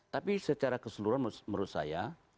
tapi secara keseluruhan menurut saya